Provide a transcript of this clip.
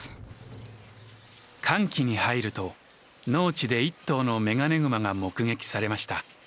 乾季に入ると農地で一頭のメガネグマが目撃されました。